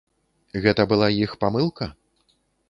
Гэта была іх памылка?